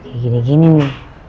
kayak gini gini mah